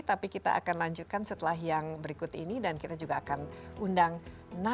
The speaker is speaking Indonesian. tapi kita akan lanjutkan setelah yang berikut ini dan kita juga akan undang narkotika